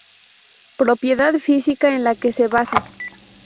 Propiedad física en la que se basa.